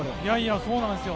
そうなんですよ。